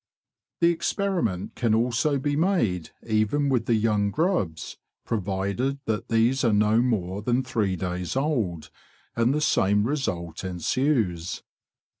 The experiment can also be made even with the young grubs, provided that these are no more than three days old, and the same result ensues.